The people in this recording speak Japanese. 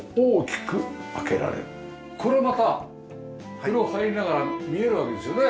これはまた風呂入りながら見えるわけですよね。